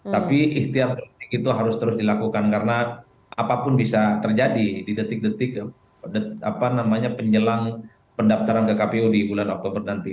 tapi ikhtiar politik itu harus terus dilakukan karena apapun bisa terjadi di detik detik penjelang pendaftaran ke kpu di bulan oktober nanti